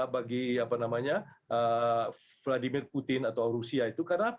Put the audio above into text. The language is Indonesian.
nah ini merupakan trauma bagi vladimir putin atau rusia itu karena apa